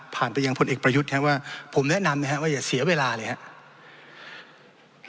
ไปยังพลเอกประยุทธ์นะครับว่าผมแนะนำนะครับว่าอย่าเสียเวลาเลยครับ